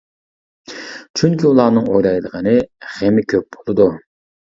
چۈنكى ئۇلارنىڭ ئويلايدىغىنى، غېمى كۆپ بولىدۇ.